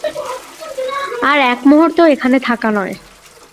আর এক মুহূর্তও এখানে থাকা নয়।